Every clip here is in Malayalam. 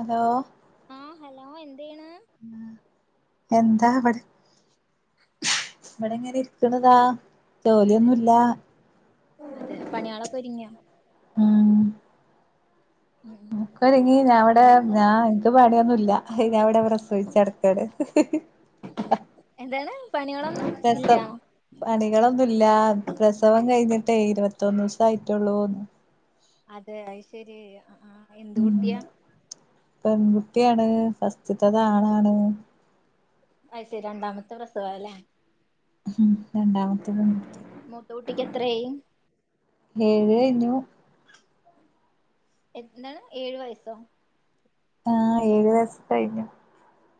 ഹലോ ആ ഹലോ എന്ത്‌ മാ എന്താ അവിടെ ഇവിടെ ഇങ്ങനെ ഇരിക്കുണതാ അതെ ജോലിയൊന്നുല്ലാ അതെ പണിയാളൊക്കെ ഒതുങ്ങിയാ ഹ് ഉം ഉം നിക്ക്‌ ഒതിങി വാടെ പിന്നെന്താ ഞാൻ എന്ത് വാടെന്ന് ഇല്ല ഞാൻവിടെ പ്രസവിച്ചക്കടക്കാണ് ഹ് ഹ് ഹ ഹാ എന്താണ് പണികളൊന്നും ഇല്ല പ്രസവ പണികളൊന്നുല്ലാ പ്രസവം കഴിഞ്ഞിട്ട് ട്ടേ ഇരുപത്തൊന്ന് ദിവസം ആയിട്ടുള്ളൂന്നു അതെ അയ് ശരി ആ ഉം പെണ്ണ് പെണ്ണ് കുട്ടിയാണ് ഫസ്റ്റത്തെ ആണാണ് അയ് ശെരി രണ്ടാമത്തെ പ്രസവ അല്ലേ? ഹും രണ്ടാമത്തെ പെൺകുട്ടി മൂത്ത കുട്ടിക്ക് എത്രായി ഏഴ് കഴിഞ്ഞു എന്താണ് ഏഴു വയസോ? ആഹ് ഏഴ് വയസു കഴിഞ്ഞു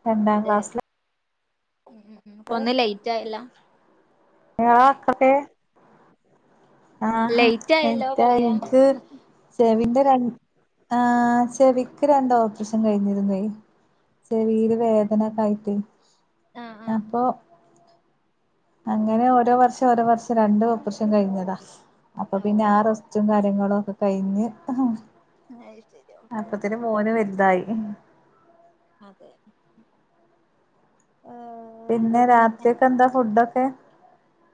രണ്ടാം ക്ലാസ്സിലാ ഇപ്പൊന്നു ലയിറ്റായല്ല. ആ ആയിക്കോട്ടെ ആഹാ ലേറ്റ് ആയല്ലോ [unintelligible] പറയാ സെവിന്റെ ആഹ് ചെവിക്ക് രണ്ട് ഓപ്പറേഷൻ കഴിഞ്ഞിരുന്നെ ചെവീല് വേദനക്കായിട്ട്. ആഹ് ആഹ് അപ്പൊ അങ്ങനെ ഓരോ വർഷം ഓരോ വർഷം രണ്ടു ഓപ്റേഷം കഴിഞ്ഞതാ. അപ്പ പിന്നെ ആ ഓഹ് റസ്റ്റും കാര്യങ്ങളും ളൊക്കെ കഴിഞ്ഞ് അത് ശെരി ഓക്കെ ഓക്കെ അപ്പത്തിനും മോന് വെൽതായി. അതെ. പിന്നെ ഏഹ് രാത്രിക്കെന്താ ഫുഡോ എ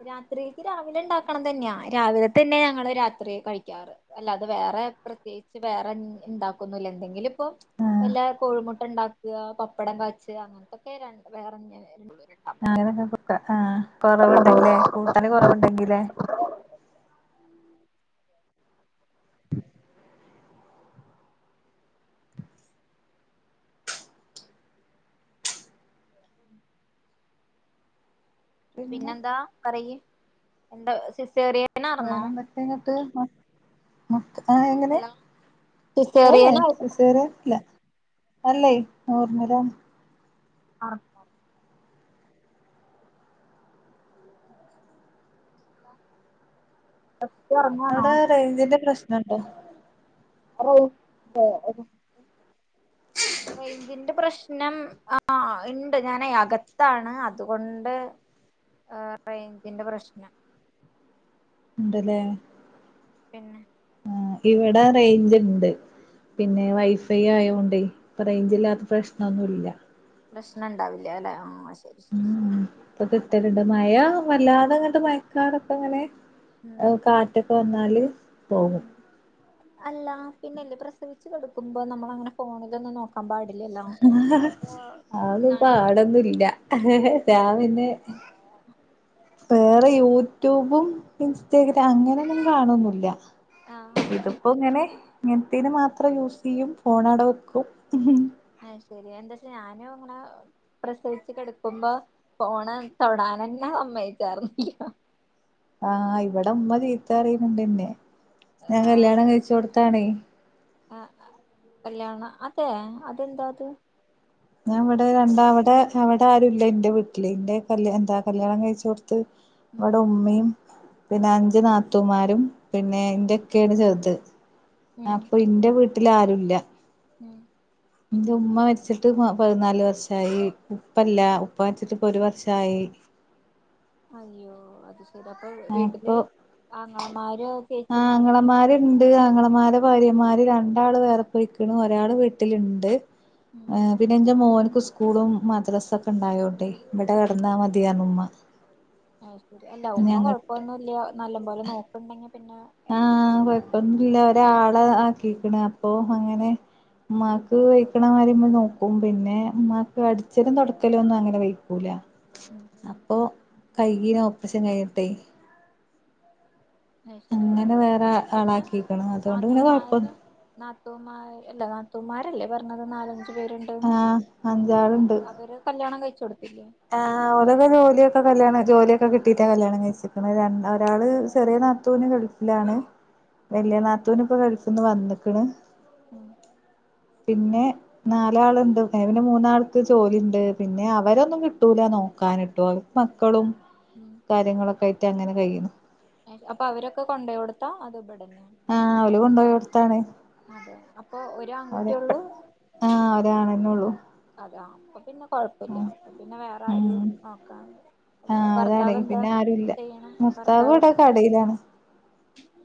രാത്രീക്ക് രാവിലെ ഇണ്ടാക്കണതന്നെ രാവിലെത്തന്നെ ഞങ്ങള് രാത്രി കഴിക്ക്യാറ് അല്ലാതെ വേറെ പ്രത്യേയിച്ച് വേറെ ഇണ്ടാക്കൊന്നുല്ല എന്തെങ്കിലും ഇപ്പൊ ആഹ് എല്ലാ കോഴിമു ഇപ്പ ണ്ടാക്ക പപ്പടം കാച്ചാ അങ്ങൻത്തൊക്കെ രണ്ട് വേറെന്നെ [unintelligible] അങ്ങനെന്തെകിലും കൊടുക്കാ ആഹ് കൊറവ്ണ്ടെങ്കില്ലേ? കൂട്ടാന് കൊറവ്ണ്ടെങ്കി ലേ പിന്നെ പിന്നെന്താ പറയ്. എന്താ സിസ് ചെറിയാനോറന്നോ? ആ എങ്ങനെ ഏഹ് സിസേറിയൻ സിസേറിയനല്ല. അല്ലേ നോർമലാണ്. ആണേ ഉറങ്ങാണോ അവടെ റേയ്ഞ്ചിന്റെ പ്രശ് നം ണ്ടോ? റെയ് ഞ്ചിന്റെ റെയ്ഞ്ചിന്റെ പ്രശ് നം ആ ഇണ്ട് ഞാനേ അകത്താണ് അതുകൊണ്ട് റേയ്ഞ്ചിന്റെ പ്രശ്നം. ഇണ്ട്ലേ? പിന്നെ? ആ ഇവിടെ റേയ്ഞ്ച്ണ്ട് പിന്നെ വൈഫൈ ആയോണ്ടേ ഇപ്പം റേയ്ഞ്ച് ഇല്ലാത്ത പ്രശ്നൊന്നുല്ല. പ്രശ്നണ്ടാവില്ലാലേ? ഉം ഇപ്പ കിട്ടല്ണ്ട് മയ വല്ലാ ങ്ങട്ട് മയക്കാറെക്കെ ഇങ്ങനെ ആയ് ഉം കാട്ട ക്കെ വന്നാല് പോവും അല്ല പിന്നെല്ല പ്രസവിച്ചു കെടക്കുമ്പോ നമ്മളങ്ങനെ ഫോണിലൊന്നും നോക്ക അതൊന്നും എന്താണ് പാടൊന്നുംല്ല ഞാ പിന്നെ വേറെ യൂ ട്ടുബും ഇൻസ്റ്റഗ്ര അങ്ങനൊന്നും കാണുന്നുവില്ല ആഹ് ഇതിപ്പോ ഇങ്ങനെ ഇ തിന് മാത്രം യൂസ് ചെയ്യും ഫോണാട വെക്കും ആയ് ശെരി എന്താച്ച ഞാനും ഇങ്ങനെ പ്രസവിച്ച് കെടുക്കുമ്പോ ഫോണ് തൊടൻ ന്നെ സമ്മതിക്കാറില്ല ആഹ് ഇവിടെ ഉമ്മ ചീത്ത പറയ്ന്ന്ണ്ട്ന്നെ ഞാൻ കല്യാണം കഴിച്ചു കൊടു ത്താണേ ആ കല്യാണം അതെ അതെന്താ ത് ഞാൻ ഇവടെ രണ്ടാ അവടെ അവടെ ആരുല്ല ന്റെ വീട്ടില് ഇന്റെ കല് എന്താ കല്യാണം കഴിച്ച് കൊടു ത്ത്‌ ഉം ഇവടെ ഉമ്മേം പിന്നെ അഞ്ച് നാത്തുമാരും പിന്നെ എന്റെ ഇക്കയാണ് ചെറുത് ഉം അപ്പൊ എന്റെ വീ ട്ട്ലാരുല്ല ഉം ഇന്റെ ഉമ്മ മരിച്ചിട്ട് പതിനാല് വർഷയി ഉപ്പല്ല ഉപ്പ മരിച്ചിട്ട്പ്പൊ ഒരു വർഷായി അയ്യോ അത് ശരി അപ്പൊ വീട്ടില് അപ്പൊ ആങ്ങളമാരോ ആഹ് ചേച്ചിമാരോ അങ്ങ ആങ്ങളമാരുണ്ട് ആങ്ങളമാരെ ഭാര്യമാര് രണ്ടാള് വേറെ പോയിക്ക്ണ ഒരാള് വീട്ടില്ണ്ട് ഉം ആ പിന്നെ ഇന്റെ മോന് സ്കൂളും മദ്രസൊക്കെ ഉണ്ടായോ ണെ ഇവിടെ കിടന്നാ മതിയർഞ്ഞുമ്മ അശരി അല്ല ഉമ്മ കൊഴ ഇപ്പൊന്നുല്ല നല്ല പോലെ നോക്കണ്ടെ പിന്നെ ആ ഉം കൊഴപ്പൊന്നുല്ല ഒരാളെ ആക്കിക്കണ അപ്പൊ അങ്ങനെ ഉമ്മാക്ക് വയ്ക്ക്ണ മാരി മ്മ നോക്കും പിന്നെ ഉമ്മാക്ക് അടിച്ചലും തൊടക്കലു ഒന്നും അങ്ങനെ വെയ്ക്കൂല. ഉം അപ്പൊ കൈകീന ഓപ്പറേഷൻ കഴിഞ്ഞിട്ടെ അത് ശരി അങ്ങനെ വേറെ പിന്നെ ആളാക്കിക്ക്ണ് അതുകൊണ്ട് പിന്നെ കൊഴപ്പന്ന് ത്തുമാര് അല്ല നാത്തൂമാരല്ലേ പറഞ്ഞത് നാല ആഹ് അഞ്ചാള്ണ്ട് അവര് കല്യാണം കഴി ആഹ് അതൊക്കെ ജോലിയൊക്കെ കല്യാണം ജോലിയൊക്കെ കിട്ടിട്ട് കല്യാണം കഴിച്ചിക്കുന്നത് ര ഒരാള് ചെറിയ നാത്തു ഗൾഫിലാണ് ഉം വലിയ നാത്തൂന് ഇപ്പൊ ഗൾഫന്ന് വന്ന് ക്ക്ണ് [inaudible] പിന്നെ നാലാളുണ്ട് പി പിന്നെ മൂന്നാൾക്ക് ജോലിണ്ട് പിന്നെ അവരൊന്നും കട്ടൂല നോക്കാനിട്ടു മക്കളും ഉം കാര്യങ്ങളൊക്കെ ട്ടങ്ങനെ കഴിയുന്നു അപ്പൊ അവരൊക്കെ കൊണ്ടേ കൊടുത്താ അത് ഇവിടന്നെ ആഹ അവല് കൊണ്ടുപോയിടുത്താണ് അതെ അപ്പൊ ഒരു ആൺകുട്ടിയെള്ളൂ ആഹ് ഒരാണെന്നൊള്ളൂ അതെ പ [unintelligible] കൊഴപ്പില്ല ഉം പിന്നെ വേറെ ആരും ഉം നോക്കാ ആഹ് അതാണ് ഭർത്താവ് എന്താ പിന്നെ ആരുല്ല ചെയ്യണ ഭർത്താവ് ഇവടെ കടയിലാണ്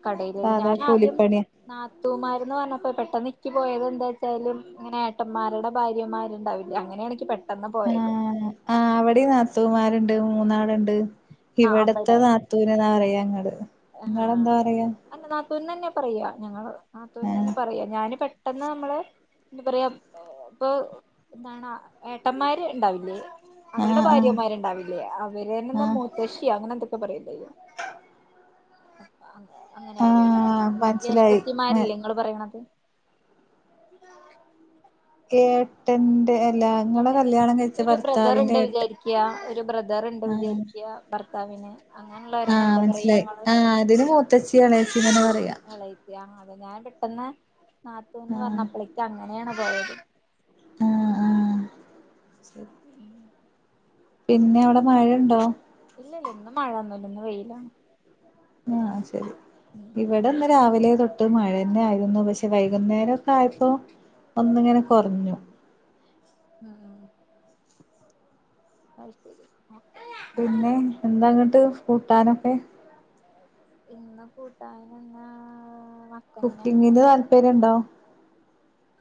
കടയില സാധാ ഞാനാദ്യം കൂലിപ്പണിയാ നാത്തൂമാര് ഇപ്പൊ പെട്ടെന്ന് ന്ക്ക് പോയത് എന്താച്ചാലും ഇങ്ങനെ ഏട്ടന്മാരുടെ ഭാര്യമാരുണ്ടാവില്ല അങ്ങനെയാണെങ്കെ ആ ആ് അവിടെ നാത്തുമാരുണ്ട് മൂന്നാള്ണ്ട് ഇവിടത്തെ നാത്തൂനെന്നാ പറയാങ്ങ ആഹ അല്ല നാത്തൂ നന്നെ പറയ്യ ഞങ്ങള് നാത്തൂനന്ന് ആഹ് ന്നെ പറയാ ഞാന് ട്ടെന്ന് നമ്മള് എന്താ പറയാ ഇപ്പൊ എന്താണ് ഏട്ടന്മാര് ഇണ്ടാവില്ലേ അവരുടെ ആഹ് ആഹ് ഭാര്യമാരുണ്ടാവില്ലേ അവരെന്ന്താ ആഹ് മുത്തശ്ശി അങ്ങനെ എന്തൊ കബറയല്ല അങ്ങനെ പറയാ ആഹ് മനസ്സിലായി ജേഷ്ട്ടത്തിമാരില്ലേ നിങ്ങൾ പറയണത് [unintelligible] ഏട്ടൻ ട്ട ഇപ്പ ഒരു ബ്രദറുണ്ട് ഏട്ടൻ വിചാരിക്ക ഒരു ബ്രദറുണ്ട് വിചാരിക്ക താവിന് ആഹ മനസ്സിലായി ആഹ അതിന് മൂത്തച്ചി എളേച്ചിങ്ങനെ പറയാ അത ഞാൻ പെട്ടെന്ന് നാത്തൂന്ന് പറഞ്ഞപ്പള അങ്ങനെയാണ് പോയത് [unintelligible] ആഹ ആഹ ഉം [unintelligible] പിന്നെ അവിടെ മഴണ്ടോ ഇല്ലല്ല ഇന്ന് മഴൊന്നുംല്ല ഇന്ന് വെയിലാണ് ആഹ് ശരി ഉം ഇവിടെന്ന് രാവിലെ തൊട്ട് മഴ ന്നെ ആയിരുന്നു പക്ഷെ വൈകുന്നേരൊക്കെ ആയപ്പോ ഒന്നിങ്ങനെ കുറഞ്ഞു ഉം അത് ശരി പിന്നെ ഇന്നത്തെ എന്താങ്ങട്ട് കൂട്ടാനൊക്കെ ഇന്ന് കൂട്ടാന് എന്നാ കുക്കിങ്ങിന് താല്പര്യണ്ടോ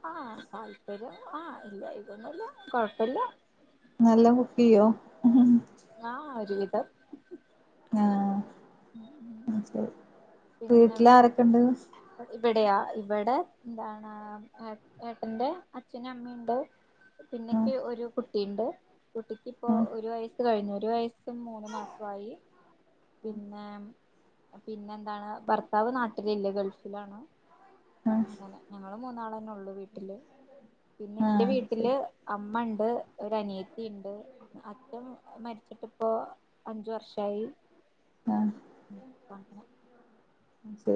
ആഹ് താല്പര്യം ആഹ് ഇല്ല ഇതൊന്നുല്ല കൊഴപ്പില്ല നല്ല കുക്കിയോ ആഹ് ഒരു ആഹ് ഉം ഉ [unintelligible] വീട്ടിലാരൊക്കെണ്ട് അസ് ഇവിടെയാ ഇവടെ [unintelligible] ഏന്താണ് ഏ ഏട്ടന്റെ അച്ഛനും അമ്മെണ്ട് ആഹ് പിന്നക്ക് ഒരു കുട്ടീണ്ട് കുട്ടിക്കിപ്പൊ ആഹ് ഒരു വയസ്സ് കഴിഞ്ഞ് ഒരു വയസ് എട്ടും മൂന്ന് മാസൊ ആയി പിന്നെ പിന്നെ എന്താണ് ഭർത്താവ് നാട്ടിലില്ല ഗൾഫ് ഇല്ലാണോ [unintelligible] ആഹ് അതേലെ ഞങ്ങള് മൂന്നാളെന്നെ ഒള്ളൂ ഇപ്പ വീട്ടില് പിന്നെ ഇന്റെ ആഹ് വീട്ടില് ശരി അമ്മ ഇണ്ട് ക്ക് ഒരനിയത്തി ഇണ്ട് അച്ഛൻ മരിച്ചിട്ട്പ്പോ അഞ്ച് വർഷായി ആഹ് [unintelligible]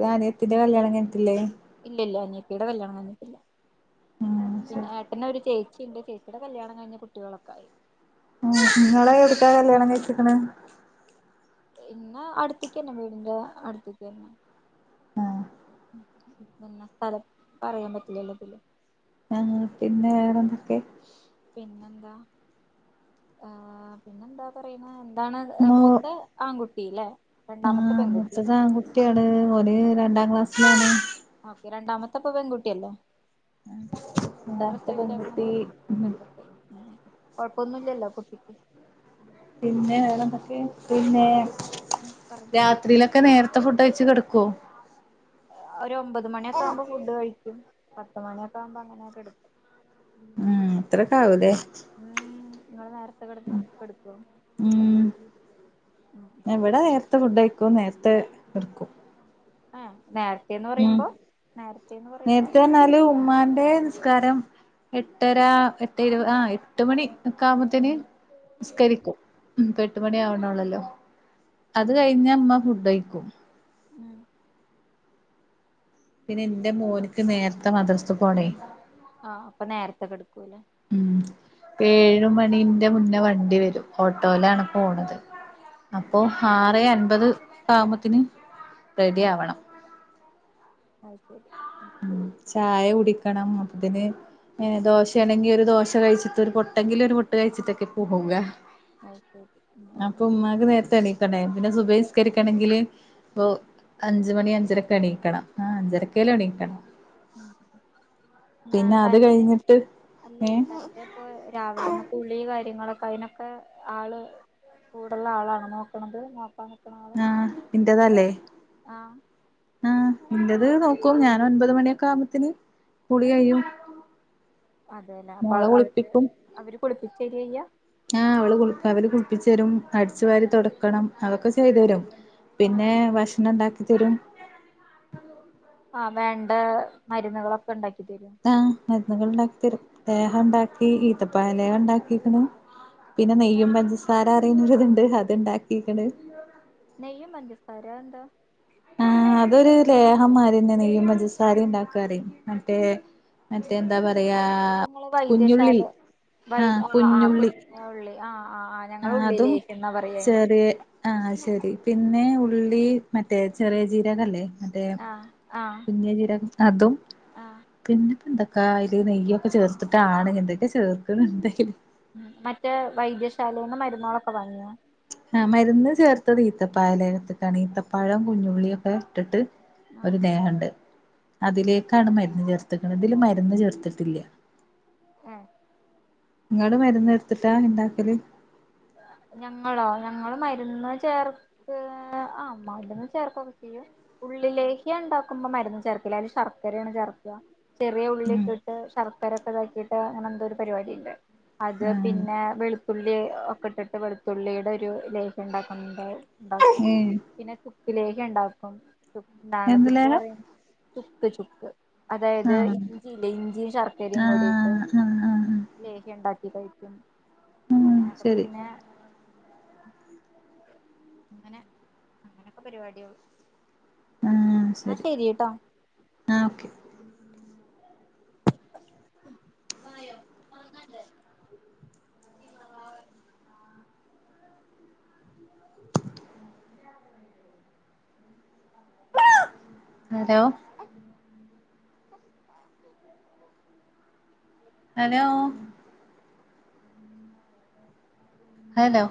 ആനി യത്തിന്റെ കല്യാണം ഞൻ ക്ക്ല്ലേ ഇല്ല ഇല്ല അനിയത്തിയുടെ യുടെ കല്യാണം കഴിഞ്ഞിട്ട്ല്ല ആഹ് പിന്നെ ശരി ഏട്ടനൊര് ചേച് ച്ചി ന്റെ ചേച്ചിടെ കല്യാണം കഴിഞ്ഞ് കുട്ട്യോളൊക്കായി ഉം നിങ്ങളെ എവട്ക്കാ കല്ല്യാണം കഴിച്ചിക്ക്ണ് എന്നെ അടുത്തിക്കെന്നെ വീടിന്റെ അടുത്തിക്കെന്നെ ആഹ് പിന്നാ സ്ഥലം പറയാൻ പറ്റില്ലാ ഇതില് ആ പിന്നെ വേറെന്തൊക്കെ പിന്നെന്താ ആ പിന്നെന്താ പറയ്ന്നെ താണ് മൂത്ത ആൺകുട്ടി [unintelligible] ആ മുത്തത് ആൺകുട്ടിയാണ് ഒന് രണ്ടാം ക്ലാസ [inaudible] ഓക്കെ രണ്ടാമത്തെ ഇപ്പം പെൺകുട്ടിയല്ലോ രണ്ടാമത്തെ പെൺകുട്ടി പ്രാസവിച്ചെക്കണത് പെൺകുട്ടി ഉം കുഴെപ്പൊന്നും ഇല്ലല്ലോ കുട്ടിക്ക് പിന്നെ വെറെ എന്തൊക്കെ പിന്നെ പറയ് രാത്രിയിലൊക്കെ നേരത്തെ ഫുഡ് കയ്ച്ച് കെടാക്കുവോ ഒര് ഒമ്പത് മണിയൊക്കെ ആവുമ്പോ ഫുഡ് കഴിക്കും പത്ത് മണിയൊക്കെ ആവുമ്പോ അങ്ങനെ കെടാക്കും മ് അത്രക്കെ ആവാ അല്ലേ ഉം നിങ്ങള് നേര ഉം ഉം ഉം ഇവടെ നേരത്തെ ഫുഡ് ആയിക്കും നേര് [unintelligible] ആ നേരത്തെന്ന് പറയ്മ്പോ നേരത്തെന്ന് പറയ്മ്പോ ൻ്റെ നിസ്കാരം എട്ടര എട്ട ഇരു ആാ എട്ട് മണി ഒക്കെ ആവുമ്പോത്തേന് നിസ്കരിക്കും പ്പം എട്ട് മണി ആവണെള്ളല്ലോ അത് ഉം കഴിഞ്ഞ് അമ്മ ഫുഡായ്ക്കും ഉം പിന്നെ എൻ്റെ മോന്ക്ക് നേരത്തെ മദ്രസ്തെ പോണേ ആ അപ്പം നേരത്തെ കെടുക്കൂല്ലേ ഉം ഏഴ് മണിന്റെ മുന്നേ വണ്ടി വെരും ഓട്ടോയിലാണ് പോണാത് ഉം അപ്പൊ ആറേ അ ഇത് കാമത്തിന് റെഡി ആവണം ആ ശെരി മ് ചായ കുടിക്ക ണം അതിന്ഹെ ദോശയാണെങ്കിൽ ഒരു ദോശ കഴിച്ചിട്ട് ഒരു പൊട്ടെങ്കിലും ഒരു പൊട്ട് കഴിച്ചിട്ടൊക്കെ പോവുക അത് ശരി അപ്പൊ ഉം ഉമ്മാക്ക് നേരത്തെ എണീ തന്നെ പിന്നെ സുബിഹി നിസ്കരിക്കനെങ്കില് ഓ ഉം അ [unintelligible] അഞ്ച് മണി അഞ്ചരക്ക്‌ എണീക്കണം ആ അഞ്ചരക്കെ മ് ഇന്ന് പിന്നെ അത് ആപ്പന്റെ കഴിഞ്ഞിട്ട് അല്ലേ ഏ തന്റെപ്പോ രാവിലെമ്മ കുളി കാര്യങ്ങളൊക്കെ കയിനൊക്കെ ആള് കൂടള്ള ആളാണ് നോക്കണത് നിക്കണ ആള് ആ എന്റതല്ലേ ആഹ് ആ നിന്റത് നോക്കൂ ഞാന ഒൻപത് മണിയൊക്കെ ആകുമ്പത്തന് കുളി കയും അതെല്ലേ അപ്പൊ അവര് അവര് കുളിപ്പിച്ചു ശരിയ്യാ ആ അവള് കുളിപ്പിച്ച് തരും അടിച്ചു വാരി തുടക്കണം അതൊക്കെ ചെയ്തു തരും പിന്നെ ഭക്ഷണം ഉണ്ടാക്കി തരും ആ വേണ്ട മരുന്നുകളൊക്കെ ഉണ്ടാക്കി ആ അ ൾ ഉണ്ടാക്കി തരും ലേഹ്യം ഉണ്ടാക്കി ഈത്തപ്പായ ലേഹ ഉണ്ടാക്കിക്കുന്നു പിന്നെ നെയ്യും പഞ്ചസാര അറിയുന്നതുണ്ട് അത്ണ്ടാക്കിക്കണ് നെയും പഞ്ചസാരെ അതെന്താ ആ അതൊരു ലേഹം മാരെന്യ ന്നെ നെയ്യും പഞ്ചസാരി ഉണ്ടാക്കപരിമം മറ്റേ മറ്റേ എന്താ പറയാ അപ്പൊ ഇങ്ങള് കുഞ്ഞുള്ളി വൈദ്യശാല വൈ ആഹ് ആഹ് ആകുഞ്ഞുള്ളി കുഞ്ഞുള്ളി ആഹ് ആഹ് ആഹ് ആ ഞങ്ങള് അതും ഉള്ളിലേക്ക്ന്നാ പറയാ അയിന് ചെറിയ ആഹ ശരി പിന്നെ ന്നെ ഉള്ളി മറ്റേ ചെറിയ ജീരക ല്ലേ അതെ ആഹ് ആഹ് കുഞ്ഞജീരഗം അതും ആഹ് പിന്നെ എന്തൊക്കാ അയിൽ നെയ്യൊക്കെ ചേർത്തിട്ടാണ് എന്തൊക്കെ ചേർക്കുന്നുണ്ട് അയിൽ മ മറ്റേ വൈദ്യശാലയിന്ന് മരുന്നുകുകളൊക്കെ വാങ്ങിയ ആ മരുന്ന് ചേർത്തത് ഈത്തപ്പായാലേഹ്യത്തിക്കാണ് ഈത്തപ്പഴം കുഞ്ഞുള്ളി ഒക്കെ ഇട്ടിട്ട് ഒരു ആഹ് ലേഹ്യണ്ട് അതിലേക്കാണ് മരുന്ന് ചേർത്തക്ന്നത് ഇതില് മരുന്ന് ചേർത്തിട്ടില്ല ഏഹ് നിങ്ങൾ മരുന്ന് ചേർത്തിട്ടാ ട്ടാ ഇണ്ടാക്കല് ഞങ്ങളോ ഞങ്ങൾ മരുന്ന് ചേർത്ത് ആ മരുന്ന് ചേർക്കൊക്കെ ചെയ്യും ഉള്ളിലേഹ്യം ഉണ്ടാക്കുമ്പോ മരുന്ന് ചേർക്കില്ല അല് ശർക്കരയാണ് ചേർക്ക ചെറിയ ഉം ഉള്ളിൊക്കെ ഇട്ട് ശർക്കരൊക്കെ ഇതാക്കിട്ട് അങ്ങനെ എന്തോ ഒരു പരിപാടിണ്ട് അത് പിന്നെ വെളുത്തുള്ളി ഇട്ടിട്ട് വെളുത്തുള്ളിയുടെ ഒരു ലേഹ്യം ഉണ്ടാക്കണ്ട ആ ഉണ്ടാക്കും ഏ പിന്നെ കുക്ക ലേ ഒക്ക ഉണ്ടാക്കും ന്താണ എന്ത് ചുപ്പ ലേഹം പറയ ചുക് ചുക് ആ അതായത് ഇഞ്ചില്ല ഇഞ്ചിയും ശർക്കരയും ആ കൂടിയിട്ട് ആ ആ ആ ലേഹ ഉണ്ടാക്കി കഴി ഉം അങ്ങനെ ശരി പിന്നെ അങ്ങനെ അങ്ങനൊക്കെ പരിപാടികൾ ആ ശരി ആ ഓക്കെ [inaudible] ഹലോ ഹലോ ഹലോ